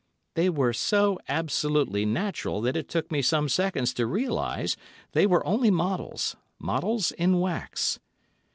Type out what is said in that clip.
They were so absolutely natural that it took me some seconds to realise they were only models—models in wax.